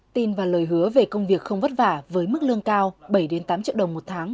tin và lời hứa về công việc không vất vả với mức lương cao bảy tám triệu đồng một tháng